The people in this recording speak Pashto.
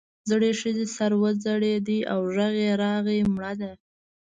زړې ښځې سر وځړېد او غږ راغی مړه ده.